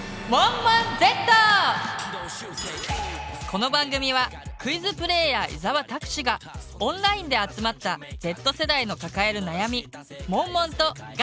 この番組はクイズプレーヤー伊沢拓司がオンラインで集まった伊沢さん！